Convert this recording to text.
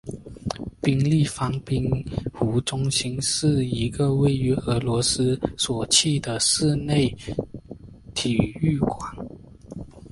冰立方冰壶中心是一个位于俄罗斯索契的室内体育馆。